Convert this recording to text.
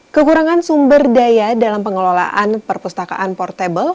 kekurangan sumber daya dalam pengelolaan perpustakaan portable